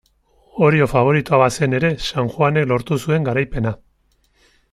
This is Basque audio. Orio faboritoa bazen ere San Juanek lortu zuen garaipena.